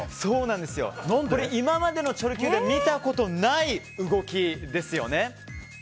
今までのチョロＱでは見たことのない動きですよね。